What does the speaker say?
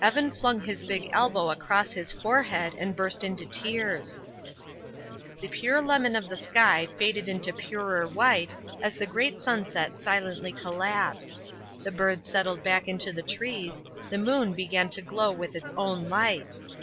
Evan flung his big elbow across his forehead and burst into tears. The pure lemon of the sky faded into purer white as the great sunset silently collapsed. The birds settled back into the trees; the moon began to glow with its own light.